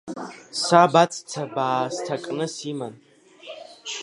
Саб аҵәца баа сҭакны симан.